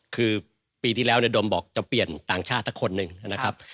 คือปีที่แล้วเนี่ยโดมบอกจะเปลี่ยนต่างชาติสักคนหนึ่งนะครับ